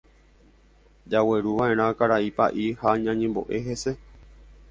Jagueruva'erã karai Pa'i ha ñañembo'e hese.